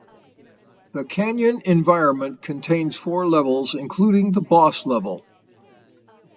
The canyon environment contains four levels including the boss level.